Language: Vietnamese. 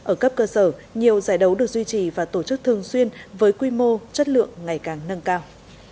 ở cấp cơ sở nhiều giải đấu được duy trì và tổ chức thường xuyên với quy mô chất lượng ngày càng nâng cao